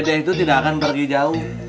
ibadah itu tidak akan pergi jauh